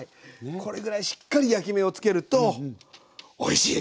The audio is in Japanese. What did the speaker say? これぐらいしっかり焼き目をつけるとおいしい！